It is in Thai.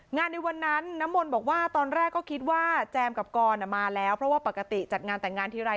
ในวันนั้นน้ำมนต์บอกว่าตอนแรกก็คิดว่าแจมกับกรมาแล้วเพราะว่าปกติจัดงานแต่งงานทีไร